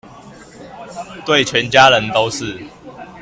對全家人都是